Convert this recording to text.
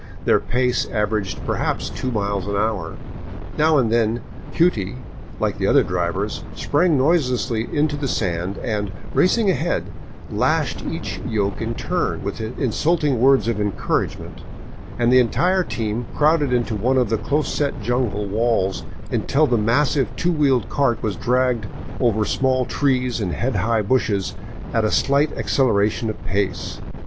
Their pace averaged perhaps two miles an hour. Now and then " Hughtie," like the other drivers, sprang noiselessly into the sand and, racing ahead, lashed each yoke in turn, with insulting words of encourgage ment, and the entire team crowded into one of the close set jungle walls until the massive two wheeled cart was dragged over small trees and head high bushes at a slight acceleration of pace.